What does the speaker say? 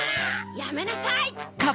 やめなさい！